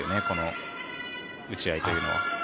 この打ち合いというのは。